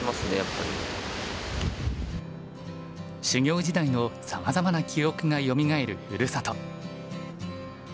修業時代のさまざまな記憶がよみがえるふるさと。